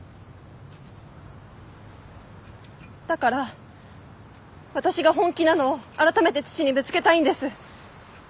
だから私が本気なのを改めて父にぶつけたいんです。